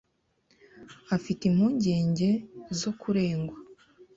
afite impungenge zo kuregwa.